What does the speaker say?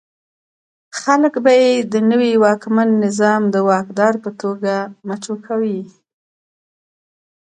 خلک به یې د نوي واکمن نظام د واکدار په توګه مچو کوي.